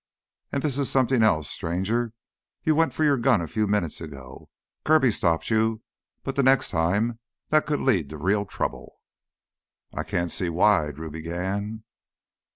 And this is something else, stranger, you went for your gun a few minutes ago. Kirby stopped you, but next time that could lead to real trouble." "I can't see why—" Drew began.